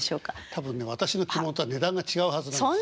多分ね私の着物とは値段が違うはずなんです。